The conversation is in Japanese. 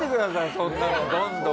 そんなのどんどん。